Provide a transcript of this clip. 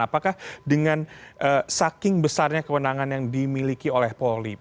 apakah dengan saking besarnya kewenangan yang dimiliki oleh polri